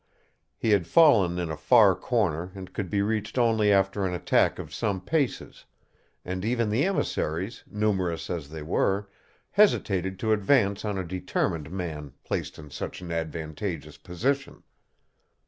He had fallen in a far corner and could be reached only after an attack of some paces, and even the emissaries, numerous as they were, hesitated to advance on a determined man placed in such an advantageous position.